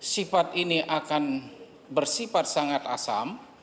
sifat ini akan bersifat sangat asam